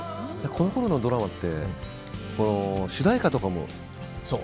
このころのドラマって主題歌とかも。